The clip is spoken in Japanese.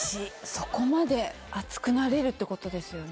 そこまで熱くなれるってことですよね？